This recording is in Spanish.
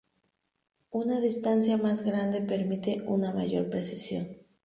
Una distancia más grande permite una mayor precisión.